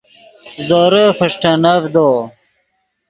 زورے فݰٹینڤدو